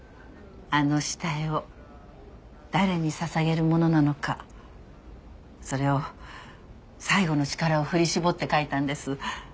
あの下絵を誰に捧げるものなのかそれを最後の力を振り絞って書いたんです。